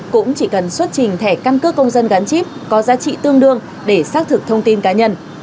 cũng chỉ cần xuất trình thẻ căn cước công dân gắn chip có giá trị tương đương để xác thực thông tin cá nhân